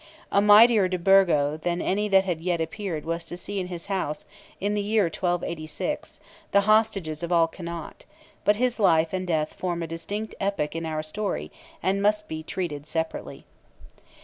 A mightier de Burgo than any that had yet appeared was to see in his house, in the year 1286, "the hostages of all Connaught;" but his life and death form a distinct epoch in our story and must be treated separately.